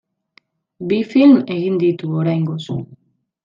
Bi film egin ditu, oraingoz.